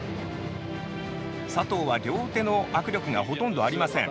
佐藤は、両手の握力がほとんどありません。